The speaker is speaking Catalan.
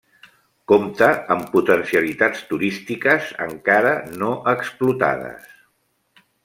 Compta amb potencialitats turístiques encara no explotades.